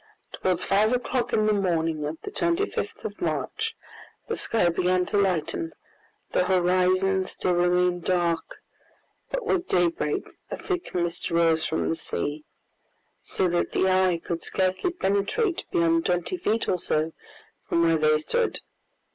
Towards five o'clock in the morning of the 25th of March, the sky began to lighten; the horizon still remained dark, but with daybreak a thick mist rose from the sea, so that the eye could scarcely penetrate beyond twenty feet or so from where they stood.